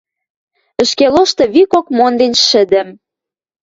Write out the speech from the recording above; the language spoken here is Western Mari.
Ӹшке лошты викок монден шӹдӹм